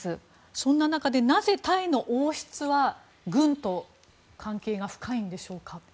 そんな中でなぜタイの王室は軍と関係が深いんでしょうか。